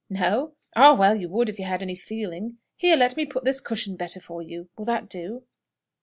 No? Ah, well, you would if you had any feeling. Here, let me put this cushion better for you. Will that do?"